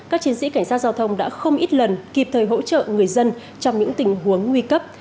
các chiến sĩ cảnh sát giao thông đã không ít lần kịp thời hỗ trợ người dân trong những tình huống nguy cấp